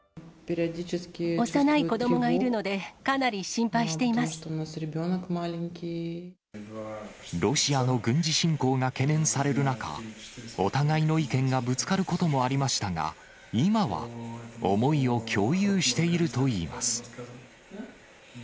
幼い子どもがいるので、ロシアの軍事侵攻が懸念される中、お互いの意見がぶつかることもありましたが、今は、思いを共有しているといいます。